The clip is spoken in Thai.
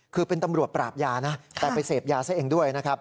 คือเป็นตำรวจปราบยาแต่ไปเสพยาซะเองด้วย